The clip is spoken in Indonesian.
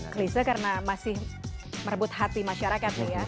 klise karena masih merebut hati masyarakat